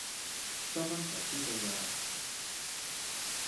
收返頭先句話